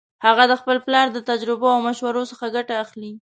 هغه د خپل پلار د تجربو او مشورو څخه ګټه اخلي